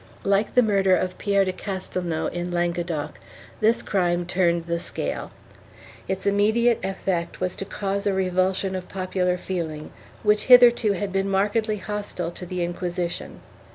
2 Like the murder of Pierre de Castelnau in Languedoc, this crime turned the scale. Its immediate effect was to cause a revul sion of popular feeling, which hitherto had been markedly hostile to the Inquisition.